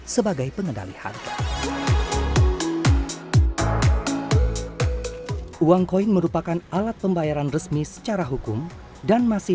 sebagai pengendali harga uang koin merupakan alat pembayaran resmi secara hukum dan masih